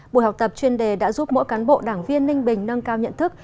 buổi học tập chuyên đề đã giúp mỗi cán bộ đảng viên ninh bình nâng cao nhận thức